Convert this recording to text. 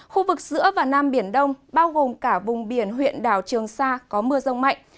khu vực giữa và nam biển đông bao gồm cả vùng biển huyện đảo trường sa có mưa rông mạnh